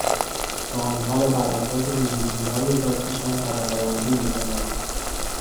و آنها را بر اساس ویژگیهای ذاتی شان طبقهبندی میکنند